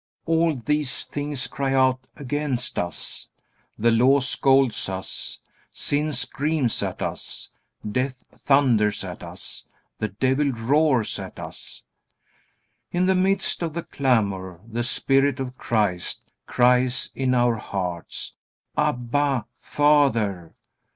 All these things cry out against us. The Law scolds us, sin screams at us, death thunders at us, the devil roars at us. In the midst of the clamor the Spirit of Christ cries in our hearts: "Abba, Father."